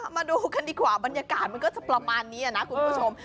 มาดูกันดีกว่าบรรยากาศมันก็จะประมาณนี้นะคุณผู้ชม